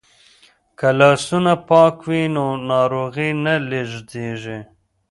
که لاسونه پاک وي نو ناروغي نه لیږدیږي.